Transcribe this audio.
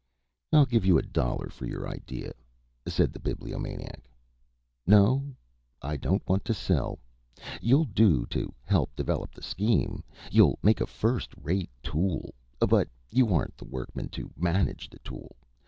"I'll give you a dollar for the idea," said the Bibliomaniac. "No, I don't want to sell. You'll do to help develop the scheme. You'll make a first rate tool, but you aren't the workman to manage the tool.